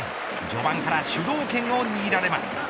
序盤から主導権を握られます。